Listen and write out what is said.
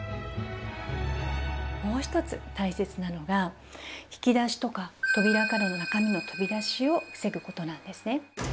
もう一つ大切なのが引き出しとか扉からの中身の飛び出しを防ぐことなんですね。